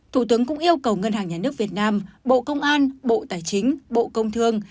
thủ tướng cũng yêu cầu ngân hàng nhà nước việt nam bộ công an bộ tài chính bộ công thương